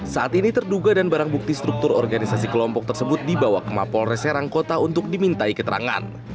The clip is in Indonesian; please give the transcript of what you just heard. saat ini terduga dan barang bukti struktur organisasi kelompok tersebut dibawa ke mapol reserang kota untuk dimintai keterangan